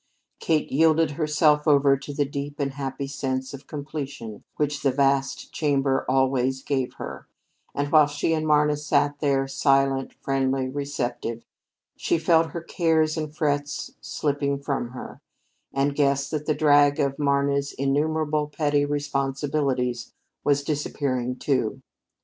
Kate yielded herself over to the deep and happy sense of completion which this vast chamber always gave her, and while she and Marna sat there, silent, friendly, receptive, she felt her cares and frets slipping from her, and guessed that the drag of Mama's innumerable petty responsibilities was disappearing, too.